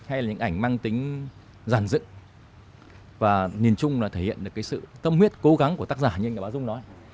hay là những ảnh mang tính giản dựng và nhìn chung là thể hiện được cái sự tâm huyết cố gắng của tác giả như nhà báo dung nói